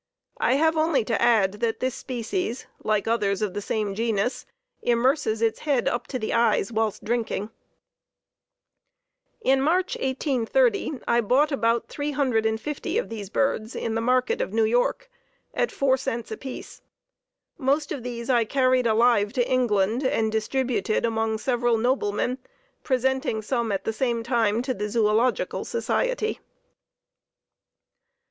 I have only to add that this species, like others of the same genus, immerses its head up to the eyes while drinking. In March, 1830, I bought about three hundred and fifty of these birds in the market of New York, at four cents apiece. Most of these I carried alive to England, and distributed among several noblemen, presenting some at the same time to the Zoölogical Society.